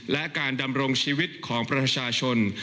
และการดำรงชีวิตของประชาชน